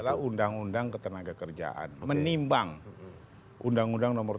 yalah undang undang ketenagakerjaan menimbang undang undang nomor tiga belas